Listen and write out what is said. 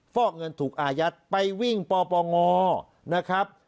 ฟอกเงินถูกอายัดไปวิ่งปปงนะครับ